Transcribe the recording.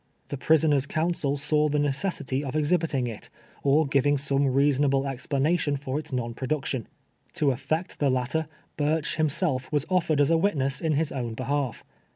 The pris oner's counsel saw the necessity of exhibiting it, or giving some reasonable exphmation for its non pro duction. To effect the latter, Burch himself was offer as a witness in his own behalf.